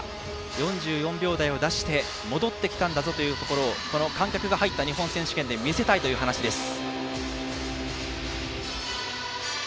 ４４秒台を出して戻ってきたんだぞというところを観客が入った日本選手権で見せたいという話です。